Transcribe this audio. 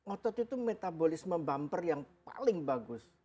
otot itu metabolisme bumper yang paling bagus